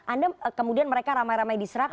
anda kemudian mereka ramai ramai diserap